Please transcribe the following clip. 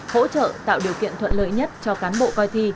hỗ trợ tạo điều kiện thuận lợi nhất cho cán bộ coi thi